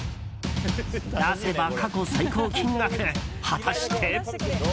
出せば過去最高金額果たして。